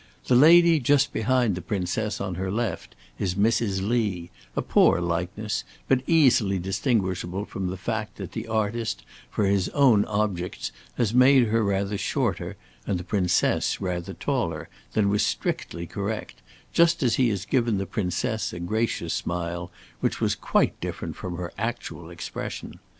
The lady just behind the Princess on her left, is Mrs. Lee, a poor likeness, but easily distinguishable from the fact that the artist, for his own objects, has made her rather shorter, and the Princess rather taller, than was strictly correct, just as he has given the Princess a gracious smile, which was quite different from her actual expression.